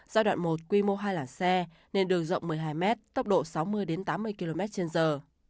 giai đoạn một quy mô hai làn xe nền đường rộng một mươi hai mét tốc độ sáu mươi tám mươi km trên giờ